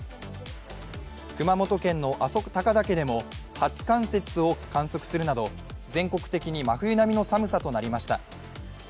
熊本県の阿蘇高岳でも初冠雪を観測するなど全国的に真冬並みの寒さとなりました。